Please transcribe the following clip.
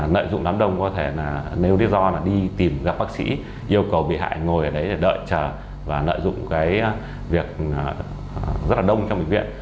lợi dụng đám đông có thể là nếu lý do là đi tìm gặp bác sĩ yêu cầu bị hại ngồi ở đấy để đợi chờ và nợ dụng cái việc rất là đông trong bệnh viện